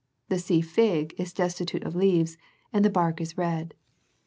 The sea fig w is destitute of leaves, and the bark is red.